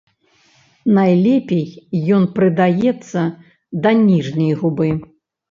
Найлепей ён прыдаецца да ніжняй губы.